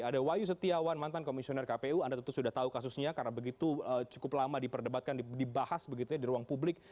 ada wayu setiawan mantan komisioner kpu anda tentu sudah tahu kasusnya karena begitu cukup lama diperdebatkan dibahas begitu ya di ruang publik